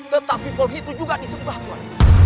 tetapi pohon itu juga disembah tuan